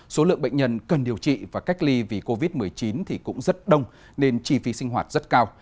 số lượng bệnh nhân cần điều trị và cách ly vì covid một mươi chín thì cũng rất đông nên chi phí sinh hoạt rất cao